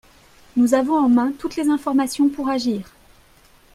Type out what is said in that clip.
Nous avons en main toutes les informations pour agir.